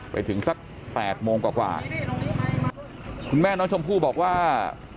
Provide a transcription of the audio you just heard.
ไปถึงสักแปดโมงกว่าคุณแม่น้องชมพู่บอกว่า